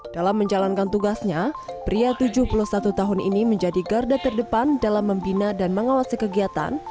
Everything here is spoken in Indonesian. dalam menjalankan tugasnya pria tujuh puluh satu tahun ini menjadi garda terdepan dalam membina dan mengawasi kegiatan